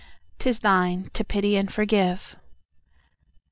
—'Tis thine to pity and forgive.